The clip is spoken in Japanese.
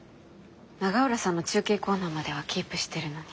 永浦さんの中継コーナーまではキープしてるのに。